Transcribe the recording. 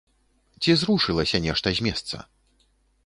Ці зрушылася нешта з месца?